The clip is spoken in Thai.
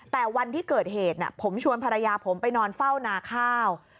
แต่วันที่เกิดเหตุผมชวนภรรยาผมไปนอนเฝ้านาข้าว